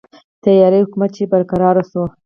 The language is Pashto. د تیارې حکومت چې برقراره شو.